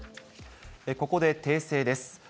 ここで訂正です。